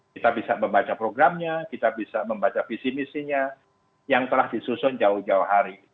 kita bisa membaca programnya kita bisa membaca visi misinya yang telah disusun jauh jauh hari